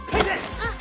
あっ！